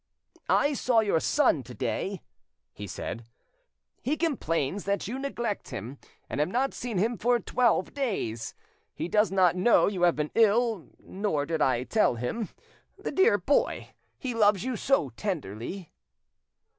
"I saw your son to day," he said: "he complains that you neglect him, and have not seen him for twelve days. He does not know you have been ill, nor did I tell him. The dear boy! he loves you so tenderly."